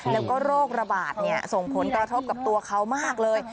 แล้วก็โรคระบาดส่งผลกระทบกับตัวเขามากเลย